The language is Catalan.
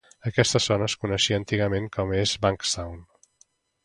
Aquesta zona es coneixia antigament com East Bankstown.